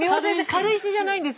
軽石じゃないんです